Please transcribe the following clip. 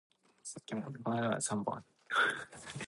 In Taiwan, tea eggs are a fixture of convenience stores.